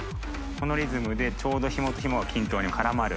このリズムでちょうどヒモとヒモが均等に絡まる。